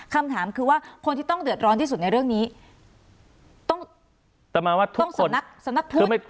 คำถามคือว่าคนที่ต้องเดือดร้อนที่สุดในเรื่องนี้ต้องประมาณว่าต้องสำนักสำนักพุทธ